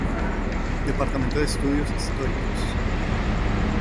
Departamento de Estudios Históricos.